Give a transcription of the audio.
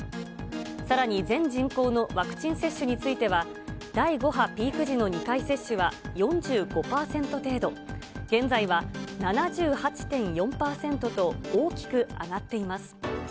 さらに全人口のワクチン接種については、第５波ピーク時の２回接種は４５％程度、現在は７８．４％と大きく上がっています。